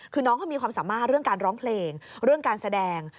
คือน้องเขามีความสามารถเรื่องการร้องเพลงเรื่องการแสดง